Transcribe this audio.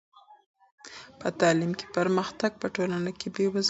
په تعلیم کې پرمختګ په ټولنه کې بې وزلي ختموي.